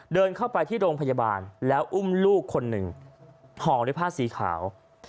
เดินเข้าไปที่โรงพยาบาลแล้วอุ้มลูกคนหนึ่งห่อด้วยผ้าสีขาว